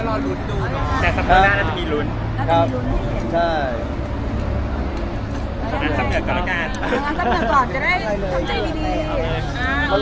อ๋อน้องมีหลายคน